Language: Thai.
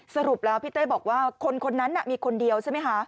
สรุปแล้วพี่เต้บอกว่าคนนั้นมีคนเดียวใช่ไหมคะ